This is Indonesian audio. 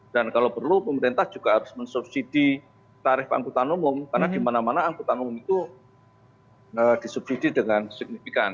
dan kalau perlu pemerintah juga harus mensubsidi tarif angkutan umum karena di mana mana angkutan umum itu disubsidi dengan signifikan